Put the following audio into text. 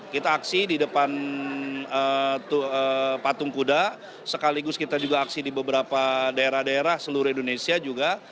kita aksi di depan patung kuda sekaligus kita juga aksi di beberapa daerah daerah seluruh indonesia juga